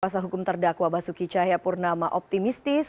pasal hukum terdakwa basuki cahaya purnama optimistis